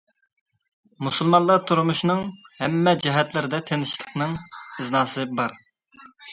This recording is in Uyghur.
مۇسۇلمانلار تۇرمۇشىنىڭ ھەممە جەھەتلىرىدە تىنچلىقنىڭ ئىزناسى بار.